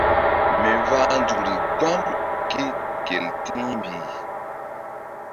Mi vah nzukri gbam ké gel ti̧hmbih.